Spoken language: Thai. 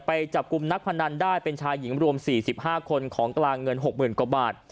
ไปจับกลุ่มนักพนันได้เป็นชายหญิงรวม๔๕คนของกลางเงิน๖๐๐๐กว่าบาท